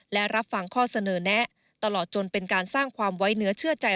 และรับฟังข้อเสนอแนะตลอดจนเป็นการสร้างความไว้เนื้อเชื่อใจ